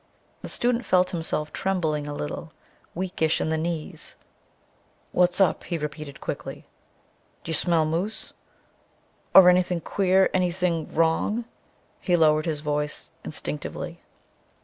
The student felt himself trembling a little, weakish in the knees. "What's up?" he repeated quickly. "D'you smell moose? Or anything queer, anything wrong?" He lowered his voice instinctively.